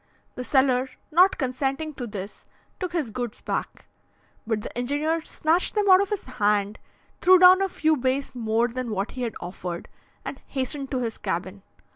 The seller, not consenting to this, took his goods back; but the engineer snatched them out of his hand, threw down a few beis more than what he had offered, and hastened to his cabin.